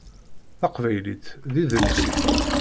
Taqbaylit d idles-ik.